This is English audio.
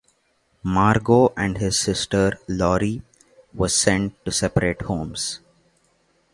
Margot and her sister Lore were sent to separate homes.